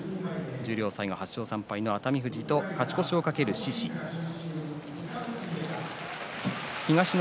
十両最後８勝３敗の熱海富士と勝ち越しを懸ける獅司です。